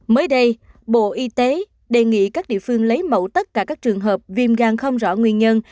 mới đây bộ y tế đề nghị các địa phương lấy mẫu tất cả các trường hợp viêm gan không rõ nguyên nhân